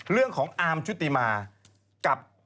เรื่องของอาร์มชุติมากับ